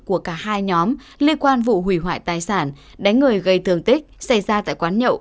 của cả hai nhóm liên quan vụ hủy hoại tài sản đánh người gây thương tích xảy ra tại quán nhậu